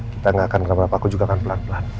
kita tidak akan kemana mana aku juga akan pelan pelan